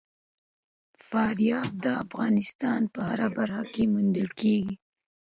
فاریاب د افغانستان په هره برخه کې موندل کېږي.